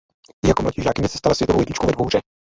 Jako mladší žákyně se stala světovou jedničkou ve dvouhře.